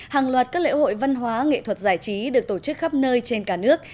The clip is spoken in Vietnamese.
hàng loạt các lễ hội văn hóa nghệ thuật giải trí được tổ chức khắp nơi trên cả nước